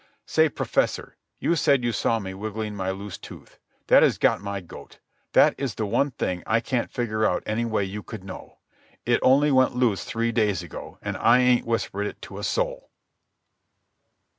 "Say, Professor, you said you saw me wiggling my loose tooth. That has got my goat. That is the one thing I can't figure out any way you could know. It only went loose three days ago, and I ain't whispered it to a soul."